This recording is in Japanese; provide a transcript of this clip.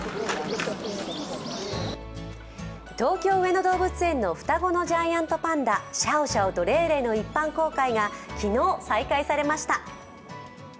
東京・上野動物園の双子のジャイアントパンダ、シャオシャオとレイレイの一般公開が昨日再開されました。